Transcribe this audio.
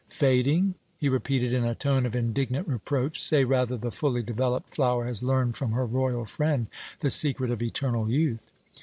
"Fading?" he repeated in a tone of indignant reproach. "Say rather the fully developed flower has learned from her royal friend the secret of eternal youth."